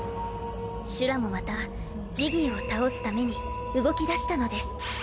シュラもまたジギーを倒すために動き出したのです。